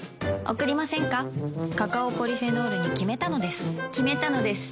カカオポリフェノールに決めたのです決めたのです。